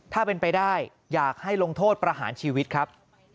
ถ้าเป็นไปได้อยากให้ลงโทษประหารชีวิตครับ